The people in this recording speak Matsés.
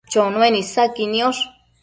Chonuen isaqui niosh